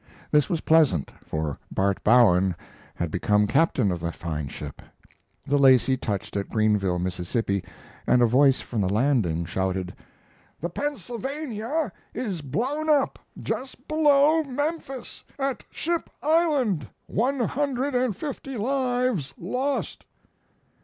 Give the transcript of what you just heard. This was pleasant, for Bart Bowen had become captain of that fine boat. The Lacey touched at Greenville, Mississippi, and a voice from the landing shouted: "The Pennsylvania is blown up just below Memphis, at Ship Island! One hundred and fifty lives lost!"